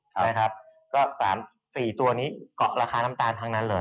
ก็สามสี่ตัวนี้ก็กรอกราคาน้ำตาลทั้งนั้นเลย